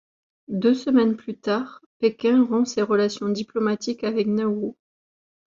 Deux semaines plus tard, Pékin rompt ses relations diplomatiques avec Nauru.